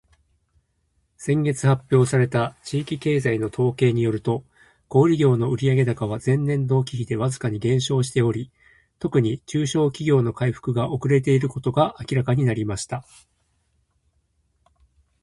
「先月発表された地域経済の統計によると、小売業の売上高は前年同期比でわずかに減少しており、特に中小企業の回復が遅れていることが明らかになりました。」